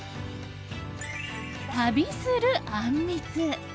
旅するあんみつ。